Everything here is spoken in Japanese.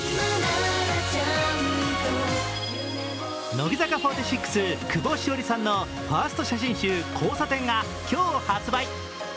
乃木坂４６・久保史緒里さんのファースト写真集「交差点」が今日、発売。